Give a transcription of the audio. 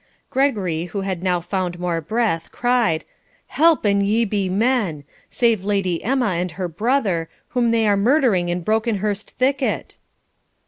Gregory, who had now found more breath, cried, 'Help, an ye be men! Save Lady Emma and her brother, whom they are murdering in Brokenhurst thicket.'